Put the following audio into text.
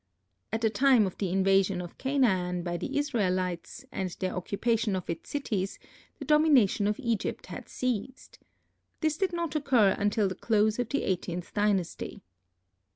At the time of the invasion of Canaan by the Israelites and their occupation of its cities, the domination of Egypt had ceased. This did not occur until the close of the eighteenth dynasty.